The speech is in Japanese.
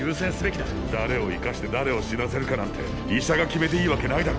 誰を生かして誰を死なせるかなんて医者が決めていいわけないだろ。